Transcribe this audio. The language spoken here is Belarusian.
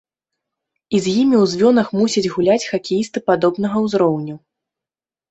І з імі ў звёнах мусяць гуляць хакеісты падобнага ўзроўню.